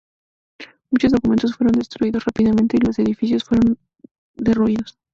Muchos documentos fueron destruidos rápidamente y los edificios fueron derruidos.